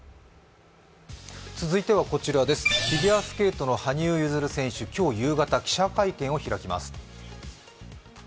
続いては、フィギュアスケートの羽生結弦選手、今日夕方、記者会見を開きます。